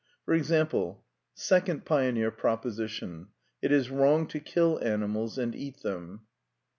For example : Second Pioneer Proposition : It is wrong to kill animals and eat them.